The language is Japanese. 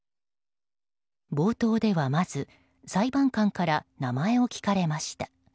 冒頭ではまず裁判官から名前を聞かれました。